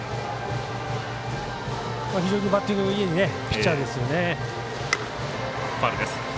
非常にバッティングいいピッチャーですよね。